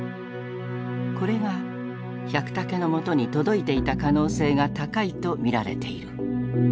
これが百武のもとに届いていた可能性が高いと見られている。